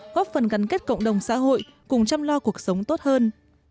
góp phần gắn kết cộng đồng xã hội cùng chăm lo cuộc sống tốt hơn